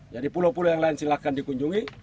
jadi pulau pulau yang lain silahkan dikunjungi